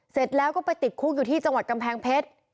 เสร็จแล้วก็ไปติดคุกอยู่ที่จังหวัดกำแพงเพชร